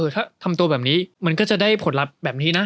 ถ้าทำตัวแบบนี้มันก็จะได้ผลลัพธ์แบบนี้นะ